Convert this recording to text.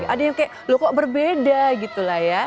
ada yang kayak loh kok berbeda gitu lah ya